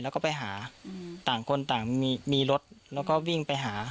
แล้วก็ไปหาต่างคนต่างมีรถแล้วก็วิ่งไปหา